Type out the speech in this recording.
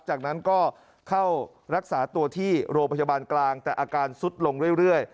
จากนั้นก็เข้ารักษาตัวที่โรงพยาบาลกลางแต่อาการซุดลงเรื่อย